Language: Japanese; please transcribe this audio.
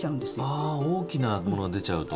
あ大きなものが出ちゃうと。